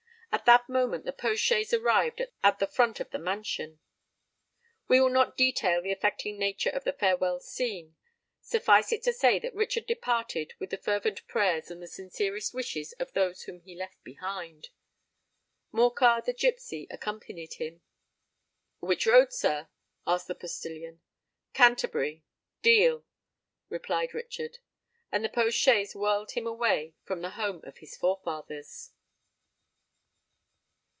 At that moment the post chaise arrived at the front door of the mansion. We will not detail the affecting nature of the farewell scene: suffice it to say that Richard departed with the fervent prayers and the sincerest wishes of those whom he left behind. Morcar, the gipsy, accompanied him. "Which road, sir?" asked the postillion. "Canterbury—Deal," replied Richard. And the post chaise whirled him away from the home of his forefathers!